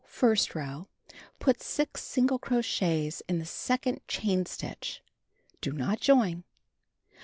First row: Put 6 single crochets in second chain stitch. Do not join.